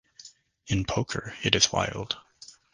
In poker, it is wild.